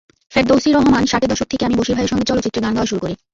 ফেরদৌসী রহমানষাটের দশক থেকে আমি বশির ভাইয়ের সঙ্গে চলচ্চিত্রে গান গাওয়া শুরু করি।